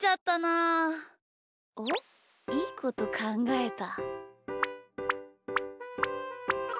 あっいいことかんがえた。